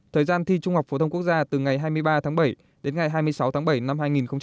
thời gian thi trung học phổ thông quốc gia từ ngày hai mươi ba tháng bảy đến ngày hai mươi sáu tháng bảy năm hai nghìn hai mươi